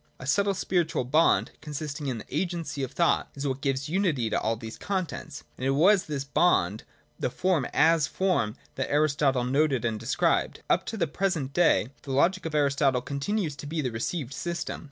A subtle spiritual bond, consisting in the agency of thought, is what gives unity to all these contents, and it was this bond, the form as form, that Aristotle noted and described. Up to the present day, the logic of Aristotle continues to be the re ceived system.